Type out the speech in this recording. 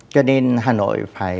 cho nên hà nội phát triển